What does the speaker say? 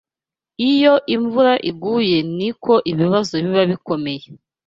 Iyo imvura iguye niko ibibazo biba bikomeye